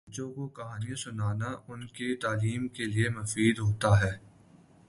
بچوں کو کہانیاں سنانا ان کی تعلیم کے لئے مفید ہوتا ہے۔